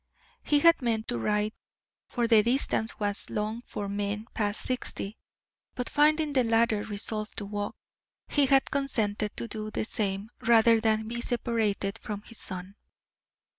He had meant to ride, for the distance was long for men past sixty; but finding the latter resolved to walk, he had consented to do the same rather than be separated from his son.